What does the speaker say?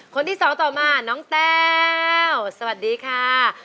คนที่สองต่อมาน้องแต้วสวัสดีค่ะ